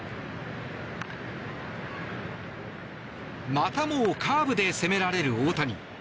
またもカーブで攻められる大谷。